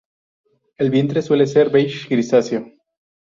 El vientre suele ser beige grisáceo.